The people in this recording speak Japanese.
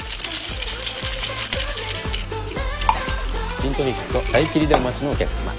ジントニックとダイキリでお待ちのお客さま。